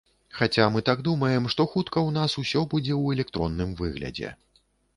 Хаця мы так думаем, што хутка ў нас усё будзе ў электронным выглядзе.